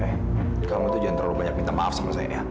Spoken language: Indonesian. ini kamu tuh jangan terlalu banyak minta maaf sama saya